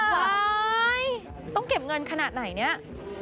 ต้องเก็บเงินขนาดไหนเนี่ย